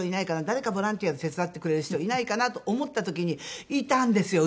誰かボランティアで手伝ってくれる人いないかなと思った時にいたんですよ！